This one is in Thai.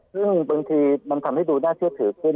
ซึ่งบางทีมันทำให้ดูน่าเชื่อถือขึ้น